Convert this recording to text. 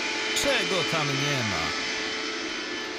Czego tam nie ma!